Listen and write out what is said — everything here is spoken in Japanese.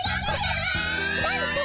ななんと。